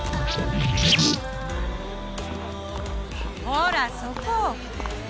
ほらそこ！